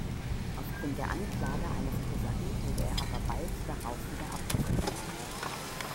Aufgrund der Anklage eines Kosaken wurde er aber bald darauf wieder abgesetzt.